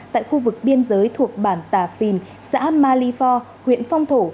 tại khu vực biên giới thuộc bản tà phìn xã malifor huyện phong thổ